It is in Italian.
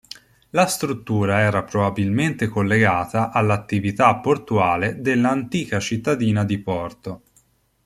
La struttura era probabilmente collegata all'attività portuale dell'antica cittadina di Porto.